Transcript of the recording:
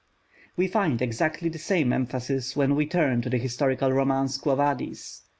We find exactly the same emphasis when we turn to the historical romance Quo Vadis.